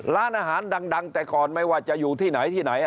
ร้านอาหารดังแต่ก่อนไม่ว่าจะอยู่ที่ไหนที่ไหน